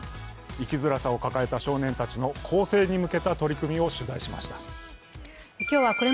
生きづらさを抱えた少年たちの更正に向けた取り組みを取材しました。